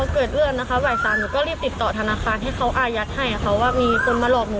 เกิดเรื่องนะคะบ่ายสามหนูก็รีบติดต่อธนาคารให้เขาอายัดให้ค่ะว่ามีคนมาหลอกหนู